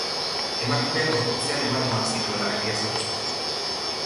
Emakumeak gorputzean hematomak zituela egiaztatu zuten.